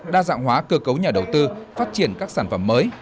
đa dạng hóa cơ cấu nhà đầu tư phát triển các sản phẩm mới